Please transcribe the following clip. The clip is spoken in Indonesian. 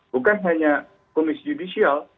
bukan hanya komisi judisial